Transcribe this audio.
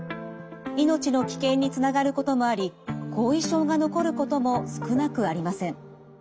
命の危険につながることもあり後遺症が残ることも少なくありません。